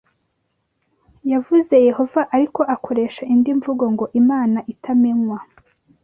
yavuze Yehova ariko akoresha indi mvugo ngo: “Imana Itamenywa,”